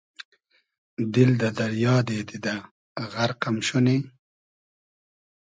دیل دۂ دئریا دې دیدۂ غئرق ام شونی